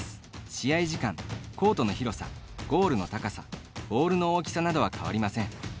試合時間、コートの広さゴールの高さボールの大きさなどは変わりません。